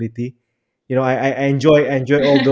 ketika kami menjadikan webinar dan